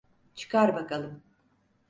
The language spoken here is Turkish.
Çıkar bakalım.